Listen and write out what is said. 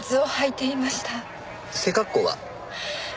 背格好は？